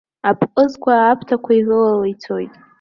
Аԥҟызқәа аԥҭақәа ирылала ицоит.